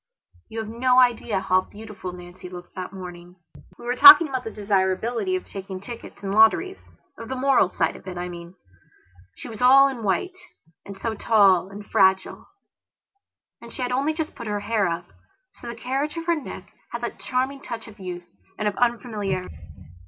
You have no idea how beautiful Nancy looked that morning. We were talking about the desirability of taking tickets in lotteriesof the moral side of it, I mean. She was all in white, and so tall and fragile; and she had only just put her hair up, so that the carriage of her neck had that charming touch of youth and of unfamiliarity.